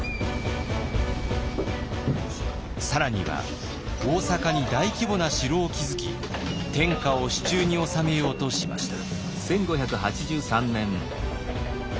更には大坂に大規模な城を築き天下を手中に収めようとしました。